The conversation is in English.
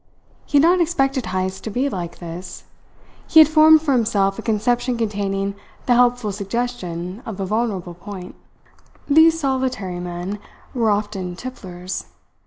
He had not expected Heyst to be like this. He had formed for himself a conception containing the helpful suggestion of a vulnerable point. These solitary men were often tipplers.